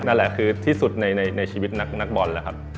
นั่นแหละคือที่สุดในชีวิตนักบอลแล้วครับ